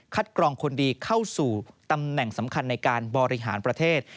กรองคนดีเข้าสู่ตำแหน่งสำคัญในการบริหารประเทศ